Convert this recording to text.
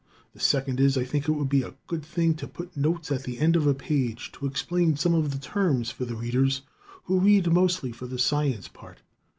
The second is, I think it would be a good thing to put notes at the end of a page to explain some of the terms for the Readers who read mostly for the science part.